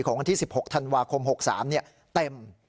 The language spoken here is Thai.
วันที่๑๖ธันวาคม๖๓เต็ม